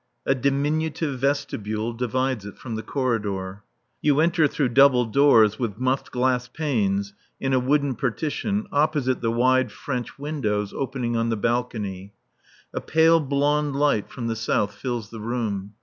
A diminutive vestibule divides it from the corridor. You enter through double doors with muffed glass panes in a wooden partition opposite the wide French windows opening on the balcony. A pale blond light from the south fills the room.